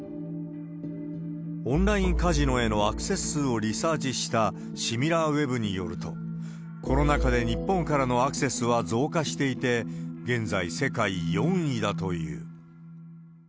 オンラインカジノへのアクセス数をリサーチしたシミラーウェブによると、コロナ禍で日本からのアクセスは増加していて、現在、世界４位だという。